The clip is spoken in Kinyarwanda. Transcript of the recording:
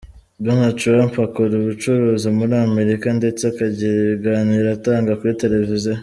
Donald Trump akora ubucuruzi muri Amerika, ndetse akagira ibiganiro atanga kuri Televiziyo.